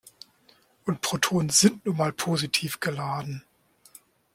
Und Protonen sind nun mal positiv geladen.